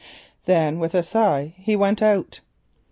Then with a sigh he went.